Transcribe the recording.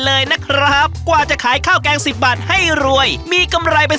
เลยนะครับกว่าจะขายข้าวแกง๑๐บาทให้รวยมีกำไรไป